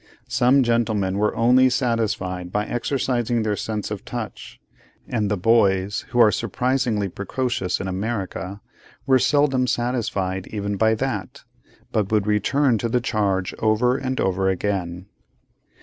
Some gentlemen were only satisfied by exercising their sense of touch; and the boys (who are surprisingly precocious in America) were seldom satisfied, even by that, but would return to the charge over and over again.